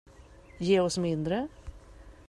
Ge oss mindre.